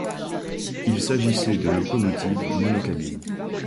Il s'agissait de locomotives monocabines.